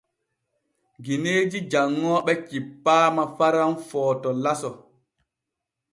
Gineeji janŋooɓe cippaama Faran Footo laso.